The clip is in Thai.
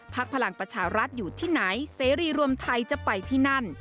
พลังประชารัฐอยู่ที่ไหนเสรีรวมไทยจะไปที่นั่น